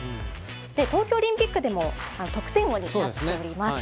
東京オリンピックでも得点王になっております。